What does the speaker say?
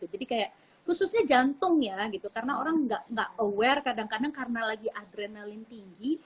jadi kayak khususnya jantung ya karena orang ga aware kadang kadang karena lagi adrenalin tinggi